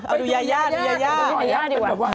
เอาดูยาดีกว่า